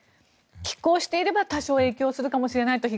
きっ抗していれば多少影響するかもしれない。